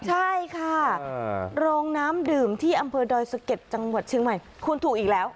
ใช่ค่ะโรงน้ำดื่มที่อำเภอดอยสะเก็ดจังหวัดเชียงใหม่คุณถูกอีกแล้ว